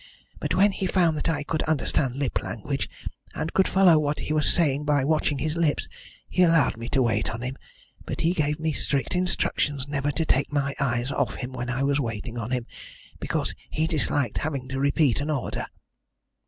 But when he found that I could understand lip language, and could follow what he was saying by watching his lips, he allowed me to wait on him, but he gave me strict instructions never to take my eyes off him when I was waiting on him, because he disliked having to repeat an order."